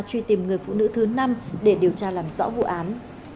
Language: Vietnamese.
truy tìm người phụ nữ thứ năm để điều tra làm rõ vụ án